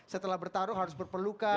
setelah bertarung harus berpelukan